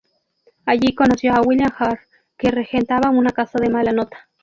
Allí conoció a William Hare, que regentaba una casa de mala nota.